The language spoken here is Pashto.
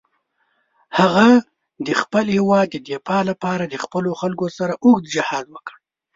هغه د خپل هېواد د دفاع لپاره د خپلو خلکو سره اوږد جهاد وکړ.